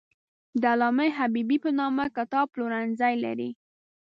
د علامه حبیبي په نامه کتاب پلورنځی لري.